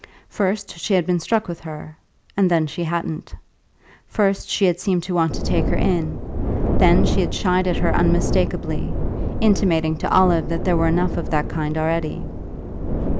First she had been struck with her, and then she hadn't; first she had seemed to want to take her in, then she had shied at her unmistakably intimating to Olive that there were enough of that kind already.